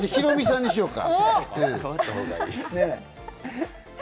「ヒロミさん」にしようか。